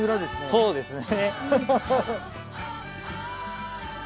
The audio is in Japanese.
そうですね。